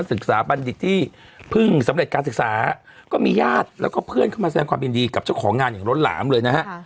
บัณฑิตที่เพิ่งสำเร็จการศึกษาก็มีญาติแล้วก็เพื่อนเข้ามาแสดงความยินดีกับเจ้าของงานอย่างล้นหลามเลยนะฮะ